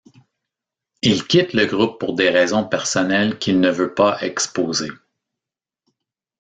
Il quitte le groupe pour des raisons personnelles qu'il ne veut pas exposer.